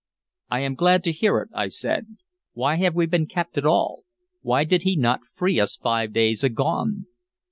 "I am glad to hear it," I said. "Why have we been kept at all? Why did he not free us five days agone?"